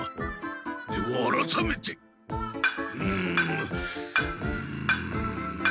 ではあらためてうむうむ。